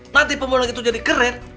nanti pemulang itu jadi keren